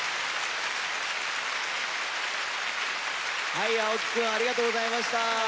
はい青木くんありがとうございました。